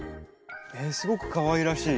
すごくかわいらしい。